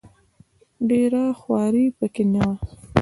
ډېره خواري په کې نه وه.